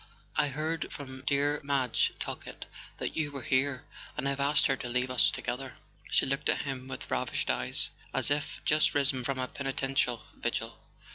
"I heard from dear Madge Talkett that you were here, and I've asked her to leave us together." She looked at him with ravaged eyes, as if just risen from a penitential vigil.